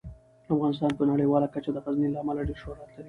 افغانستان په نړیواله کچه د غزني له امله ډیر شهرت لري.